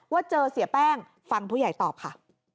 ว่าเจอเสียแป้งฟังผู้ใหญ่ตอบค่ะ